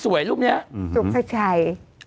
สุภาชัย